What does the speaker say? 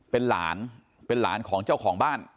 เป็นหลานเป็นหลานของเจ้าของบ้าน